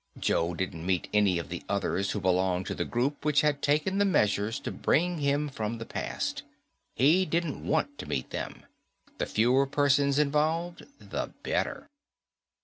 Joe didn't meet any of the others who belonged to the group which had taken the measures to bring him from the past. He didn't want to meet them. The fewer persons involved, the better.